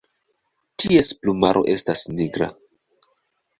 Ties plumaro estas nigra.